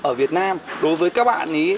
ở việt nam đối với các bạn ấy